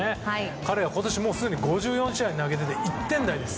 彼は今年すでに５４試合に投げて防御率１点台です。